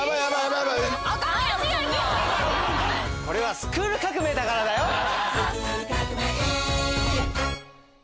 これは『スクール革命！』だからだよ。